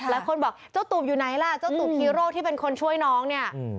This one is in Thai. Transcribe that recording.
หลายคนบอกเจ้าตูบอยู่ไหนล่ะเจ้าตูบฮีโร่ที่เป็นคนช่วยน้องเนี่ย